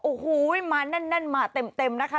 โอ้โหมาแน่นมาเต็มนะคะ